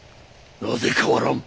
なぜ変わらん！